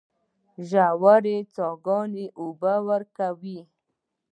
ژورې څاګانې اوبه ورکوي.